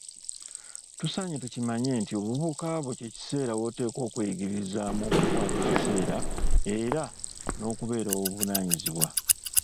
Tusaanye tukimanye nti Obuvubuka bwo kye kiseera woteekwa okweyigiririzaamu okukwata ebiseera, era n'okubeera ow'obuvunaanyizibwa.